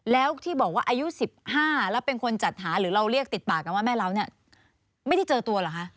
แล้วที่บอกว่าอายุ๑๕แล้วเป็นคนจัดหาหรือเราเรียกติดปากกันว่าแม่เล้าเนี่ยไม่ได้เจอตัวเหรอคะ